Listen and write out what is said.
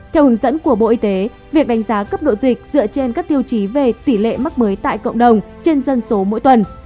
theo hướng dẫn của bộ y tế việc đánh giá cấp độ dịch dựa trên các tiêu chí về tỷ lệ mắc mới tại cộng đồng trên dân số mỗi tuần